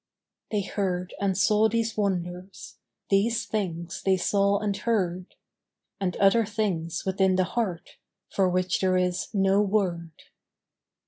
They heard and saw these wonders; These things they saw and heard; And other things within the heart For which there is no word.